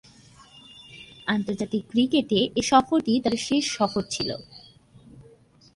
আন্তর্জাতিক ক্রিকেটে এ সফরটি তার শেষ সফর ছিল।